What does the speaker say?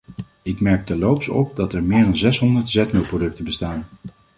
Ik merk terloops op dat er meer dan zeshonderd zetmeelproducten bestaan.